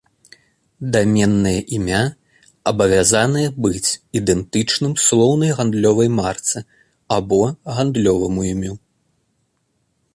Даменнае імя абавязанае быць ідэнтычным слоўнай гандлёвай марцы або гандлёваму імю.